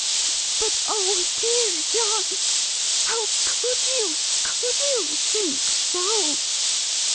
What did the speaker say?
But oh, dear John, how could you, could you, think so!"